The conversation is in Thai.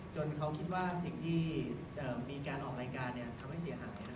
เขาคิดว่าสิ่งที่มีการออกรายการทำให้เสียหาย